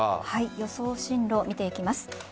予想進路を見ていきます。